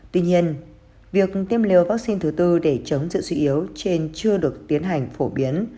tuy nhiên việc tiêm liều vaccine thứ tư để chống sự suy yếu trên chưa được tiến hành phổ biến